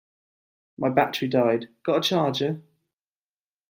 My battery died, got a charger?